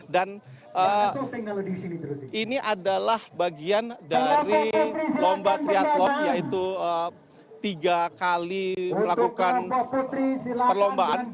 dan ini adalah bagian dari lomba triathlon yaitu tiga kali melakukan perlombaan